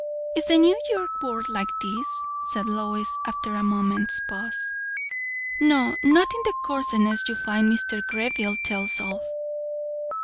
"Is the New York world like this?" said Lois, after a moment's pause. "No! Not in the coarseness you find Mr. Greville tells of.